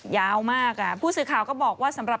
ยาวมากผู้สื่อข่าวก็บอกว่าสำหรับ